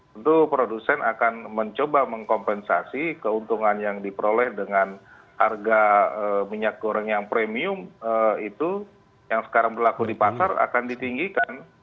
tentu produsen akan mencoba mengkompensasi keuntungan yang diperoleh dengan harga minyak goreng yang premium itu yang sekarang berlaku di pasar akan ditinggikan